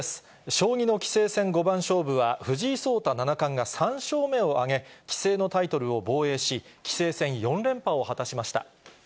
将棋の棋聖戦五番勝負は、藤井聡太七冠が３勝目を挙げ、棋聖のタイトルを防衛し、棋聖戦４連覇を果たしました。